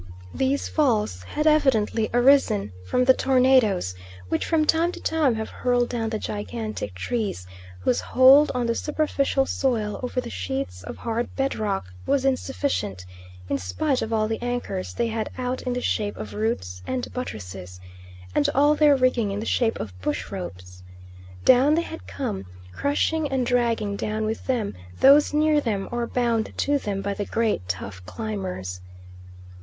These falls had evidently arisen from the tornados, which from time to time have hurled down the gigantic trees whose hold on the superficial soil over the sheets of hard bed rock was insufficient, in spite of all the anchors they had out in the shape of roots and buttresses, and all their rigging in the shape of bush ropes. Down they had come, crushing and dragging down with them those near them or bound to them by the great tough climbers.